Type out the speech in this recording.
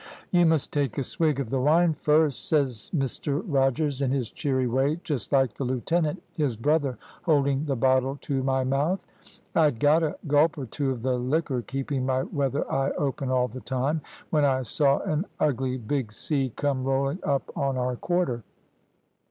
`You must take a swig of the wine first,' says Mr Rogers, in his cheery way, just like the lieutenant, his brother, holding the bottle to my mouth. I'd got a gulp or two of the liquor, keeping my weather eye open all the time, when I saw an ugly big sea come rolling up on our quarter.